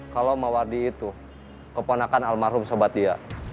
kalau mawardi itu keponakan almarhum sobat dia